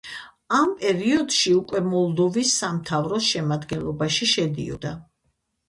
ამ პერიოდში უკვე მოლდოვის სამთავროს შემადგენლობაში შედიოდა.